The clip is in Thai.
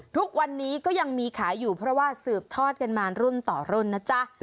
ทุกวันนี้ก็ยังมีขายอยู่เพราะว่าสืบทอดกันมารุ่นต่อรุ่นนะจ๊ะ